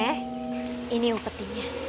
nih ini upetinya